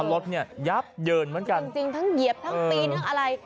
รถเนี่ยยับเยินเหมือนกันจริงทั้งเหยียบทั้งปีนทั้งอะไร